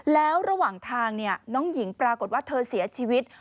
แล้วระหว่างทางน้องหญิงปรากฏว่าเธอเสียชีวิต